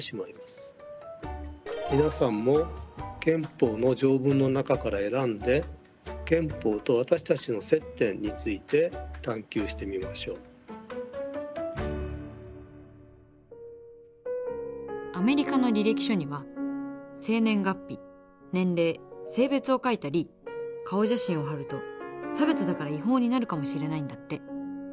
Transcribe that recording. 皆さんも憲法の条文の中から選んでアメリカの履歴書には生年月日年齢性別を書いたり顔写真を貼ると差別だから違法になるかもしれないんだって。